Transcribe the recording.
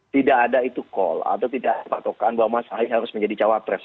tidak ada itu call atau tidak patokan bahwa mas ahy harus menjadi cawapres